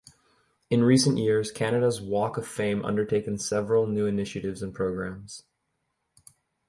In recent years, Canada's Walk of Fame undertaken several new initiatives and programs.